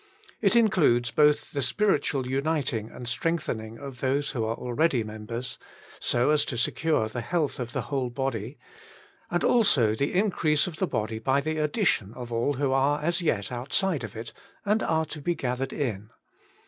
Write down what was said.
It includes both the spiritual uniting and strengthening of those who are already members, so as to secure the health of the whole body; and also the increase of the body by the addition of all who are as yet outside of it, and are to be gathered in.